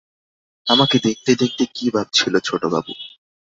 আমাকে দেখতে দেখতে কী ভাবছিল ছোটবাবু?